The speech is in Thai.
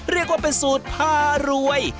เรียกว่าเป็นสูตรพารวย